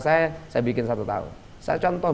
saya saya bikin satu tahun saya contoh